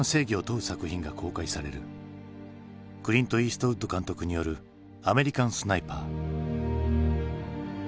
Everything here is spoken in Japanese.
クリント・イーストウッド監督による「アメリカン・スナイパー」。